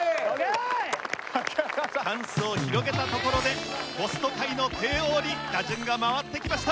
チャンスを広げたところでホスト界の帝王に打順が回ってきました。